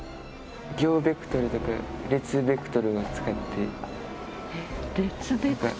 行ベクトルとか列ベクトルを使って。